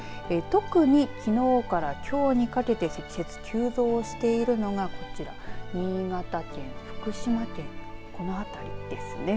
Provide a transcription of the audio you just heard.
特にきのうからきょうにかけて積雪急増しているのがこちら新潟県、福島県この辺りですね。